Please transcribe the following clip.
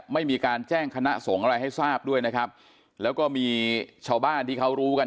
ไม่มีการแจ้งคณะสงฆ์อะไรให้ทราบด้วยนะครับแล้วก็มีชาวบ้านที่เขารู้กัน